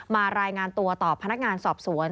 รายงานตัวต่อพนักงานสอบสวน